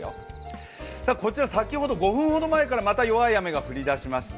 こちら、先ほど５分ほど前からまた弱い雨が降り始めました。